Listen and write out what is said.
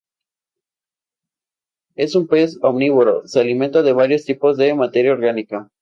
Es un pez omnívoro, se alimenta de varios tipos de materia orgánica.